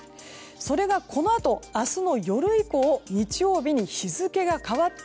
それが、このあと明日の夜以降日曜日に日付が変わった